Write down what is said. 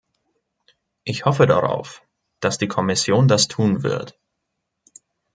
Ich hoffe darauf, dass die Kommission das tun wird.